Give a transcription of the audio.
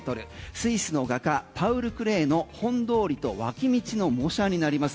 スイスの画家パウル・クレーの「本通りと脇道」の模写になります。